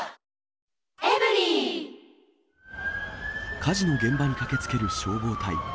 火事の現場に駆けつける消防隊。